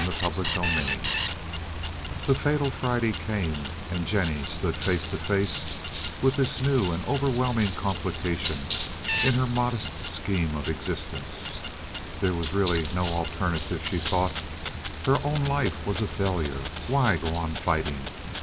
CHAPTER XXII The fatal Friday came, and Jennie stood face to face with this new and overwhelming complication in her modest scheme of existence. There was really no alternative, she thought. Her own life was a failure. Why go on fighting?